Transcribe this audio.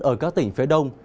ở các tỉnh phía đông